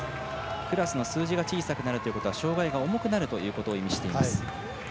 クラスの数字が小さくなるということは障がいが重くなるということを意味しています。